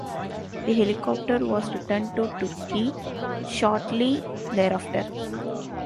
The helicopter was returned to Turkey shortly thereafter.